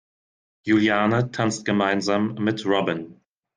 Juliane tanzt gemeinsam mit Robin.